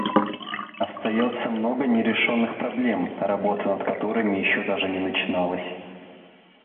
Остается много нерешенных проблем, работа над которыми еще даже не начиналась.